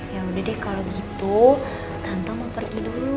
ya udah deh kalau gitu kantong mau pergi dulu